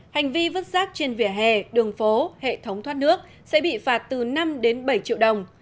hành vi vứt rác trên vỉa hè đường phố hệ thống thoát nước sẽ bị phạt từ năm đến bảy triệu đồng